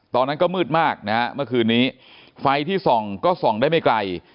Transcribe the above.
ตอนนั้นก็มืดมากนะฮะเมื่อคืนนี้ไฟที่ส่องก็ส่องได้ไม่ไกล